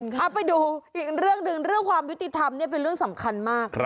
เอาไปดูอีกเรื่องหนึ่งเรื่องความยุติธรรมเนี่ยเป็นเรื่องสำคัญมาก